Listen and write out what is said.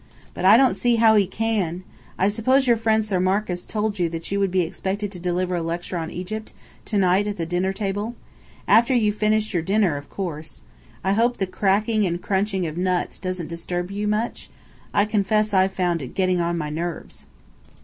But I don't see how He can. I suppose your friend Sir Marcus told you that you would be expected to deliver a lecture on Egypt, to night at the dinner table? After you've finished your dinner, of course. I hope the cracking and crunching of nuts doesn't disturb you much? I confess I've found it getting on my nerves."